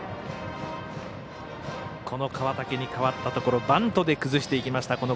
川竹に代わったところバントで崩していきました